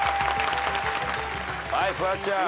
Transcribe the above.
はいフワちゃん。